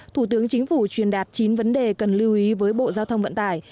thủ tướng chính phủ truyền đạt chín vấn đề cần lưu ý với bộ giao thông vận tải